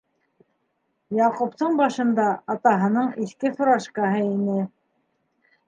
Яҡуптың башында атаһының иҫке фуражкаһы ине.